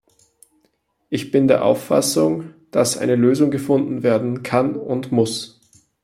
Ich bin der Auffassung, dass eine Lösung gefunden werden kann und muss.